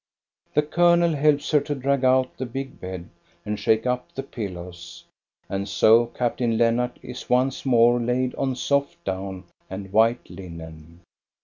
The colonel helps her to drag out the big bed and shake up the pillows, and so Captain Lennart is once more laid on soft down and white linen.